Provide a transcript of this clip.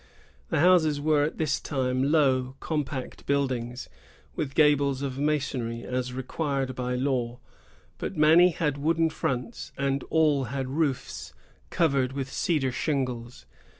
The houses were at this time low, compact buildings, with gables of masonry, as required by law; but many had wooden fronts, and aU had roofs covered with cedar shingles.